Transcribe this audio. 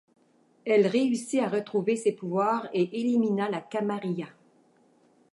Elle réussit à retrouver ses pouvoirs et élimina la Camarilla.